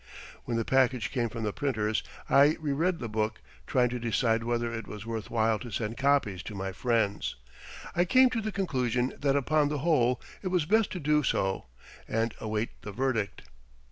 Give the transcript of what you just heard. When the package came from the printers I re read the book trying to decide whether it was worth while to send copies to my friends. I came to the conclusion that upon the whole it was best to do so and await the verdict.